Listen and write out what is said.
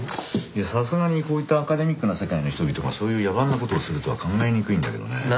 いやさすがにこういったアカデミックな世界の人々がそういう野蛮な事をするとは考えにくいんだけどね。